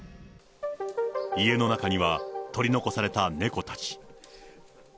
家の中には取り残された猫たち。